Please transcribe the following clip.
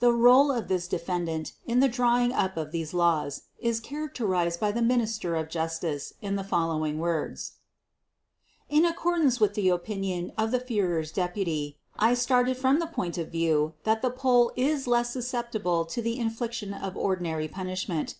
The role of this defendant in the drawing up of these "laws" is characterized by the Minister of Justice in the following words: "In accordance with the opinion of the Führer's deputy I started from the point of view that the Pole is less susceptible to the infliction of ordinary punishment